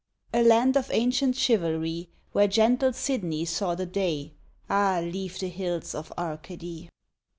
A land of ancient chivalry Where gentle Sidney saw the day, Ah, leave the hills of Arcady!